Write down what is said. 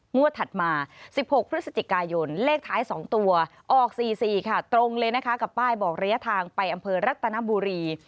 งวดถัดมา๑๖พฤศจิกายนเลขท้าย๒ตัวออก๔๔ค่ะตรงเลยนะคะกับป้ายบอกระยะทางไปอำเภอรัตนบุรี